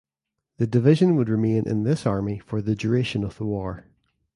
The division would remain in this Army for the duration of the war.